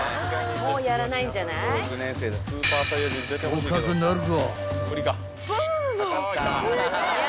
［捕獲なるか？］